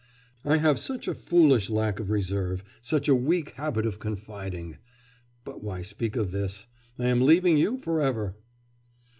I have such a foolish lack of reserve, such a weak habit of confiding. But why speak of this? I am leaving you for ever!